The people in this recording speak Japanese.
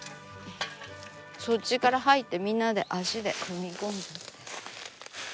そっちから入ってみんなで足で踏み込む。